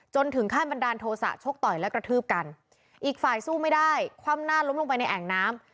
ถึงขั้นบันดาลโทษะชกต่อยและกระทืบกันอีกฝ่ายสู้ไม่ได้คว่ำหน้าล้มลงไปในแอ่งน้ำ